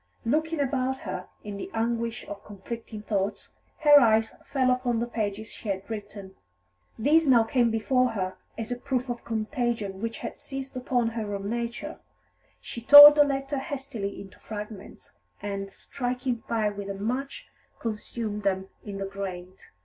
Looking about her in the anguish of conflicting thoughts, her eyes fell upon the pages she had written. These now came before her as a proof of contagion which had seized upon her own nature; she tore the letter hastily into fragments, and, striking fire with a match, consumed them in the grate.